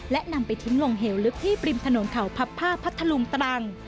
และนำไปทิ้งลงเหวลึกที่ปริมถนนเขาพับผ้าพัทธลุงตรัง